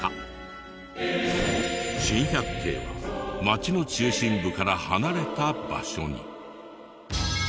珍百景は町の中心部から離れた場所に。